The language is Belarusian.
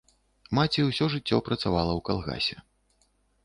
Маці ўсё жыццё працавала ў калгасе.